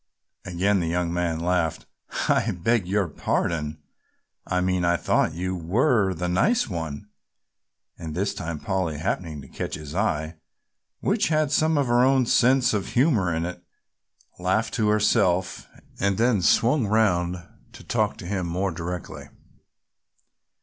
Again the young man laughed. "I beg your pardon, I mean I thought you were the nice one!" And this time Polly happening to catch his eye, which had some of her own sense of humor in it, laughed to herself and then swung round to talk to him more directly.